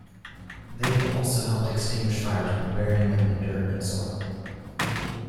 They also helped extinguish fires by burying them in dirt and soil.